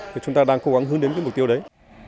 thì chúng ta đang cố gắng hướng đến cái mục tiêu đấy